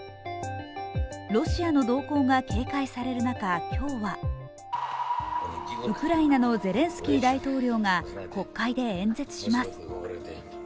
ロシアの動向が警戒される中、今日はウクライナのゼレンスキー大統領が国会で演説します。